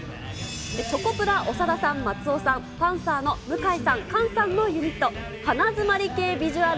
チョコプラ・長田さん、松尾さん、パンサーの向井さん、菅さんのユニット、鼻づまり系ビジュアル